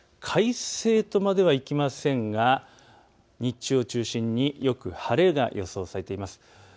快晴とまではいきませんが日中を中心によく晴れが予想されています。